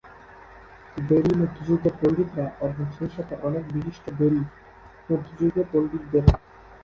দেরী-মধ্যযুগের পণ্ডিতরা এবং সেইসাথে অনেক বিশিষ্ট দেরী মধ্যযুগীয় পণ্ডিতদের।